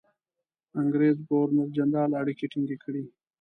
انګرېز ګورنرجنرال اړیکې ټینګ کړي.